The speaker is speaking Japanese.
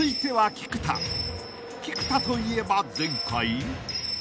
［菊田といえば前回］